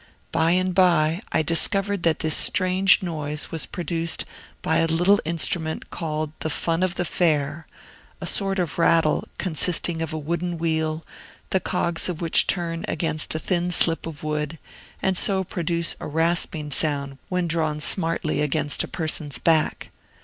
By and by, I discovered that this strange noise was produced by a little instrument called "The Fun of the Fair," a sort of rattle, consisting of a wooden wheel, the cogs of which turn against a thin slip of wood, and so produce a rasping sound when drawn smartly against a person's back.